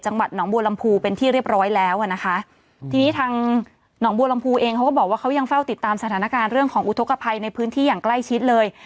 จังหวัดหนองบัวลำพูเป็นที่เรียบร้อยแล้วอ่ะนะคะทีนี้ทางหนองบัวลำพูเองเขาก็บอกว่าเขายังเฝ้าติดตามสถานการณ์เรื่องของอุทธกภัยในพื้นที่อย่างใกล้ชิดเลย